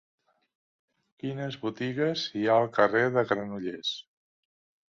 Quines botigues hi ha al carrer de Granollers?